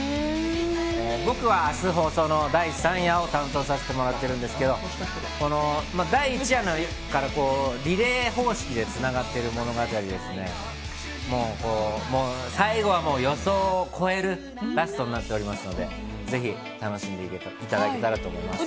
僕は明日放送の第３夜を担当しているんですが第１夜からリレー方式でつながってる物語でして最後は予想を超えるラストになっておりますのでぜひ楽しんでいただけたらと思います。